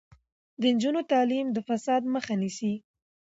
د نجونو تعلیم د فساد مخه نیسي.